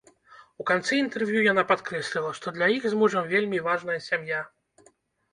У канцы інтэрв'ю яна падкрэсліла, што для іх з мужам вельмі важная сям'я.